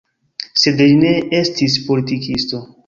Sed li ne estis politikisto.